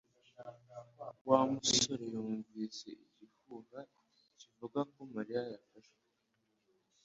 Wa musore yumvise igihuha kivuga ko Mariya yafashwe